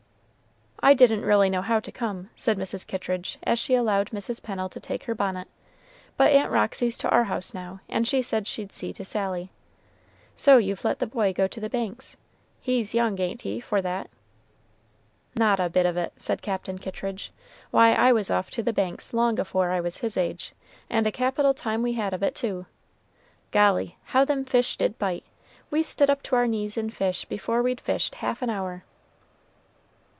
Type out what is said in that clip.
"I didn't really know how to come," said Mrs. Kittridge, as she allowed Mrs. Pennel to take her bonnet; "but Aunt Roxy's to our house now, and she said she'd see to Sally. So you've let the boy go to the Banks? He's young, ain't he, for that?" "Not a bit of it," said Captain Kittridge. "Why, I was off to the Banks long afore I was his age, and a capital time we had of it, too. Golly! how them fish did bite! We stood up to our knees in fish before we'd fished half an hour."